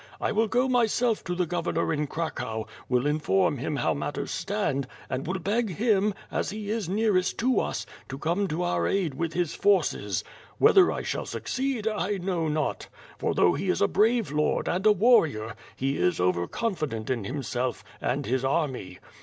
I will go myself to the Governor in Cracow, will inform him how matters stand, and will beg him, 30 WITH FIRE AND SWORD. as he is nearest to us, to come to our aid with his forces. Whether I shall succeed, I know not, for though he is a brave lord, and a warrior, he is over confident in himself, and his army.